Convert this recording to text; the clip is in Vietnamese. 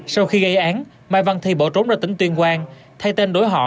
sau khi gây án mai văn thi bỏ trốn ra tỉnh tuyên quang thay tên đổi họ